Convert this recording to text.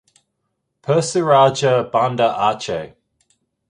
Persiraja Banda Aceh